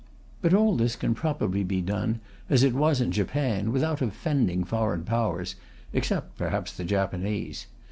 But all this can probably be done, as it was in Japan, without offending foreign Powers (except perhaps the Japanese).